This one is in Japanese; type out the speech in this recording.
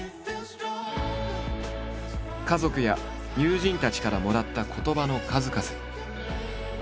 家族や友人たちからもらった言葉の数々。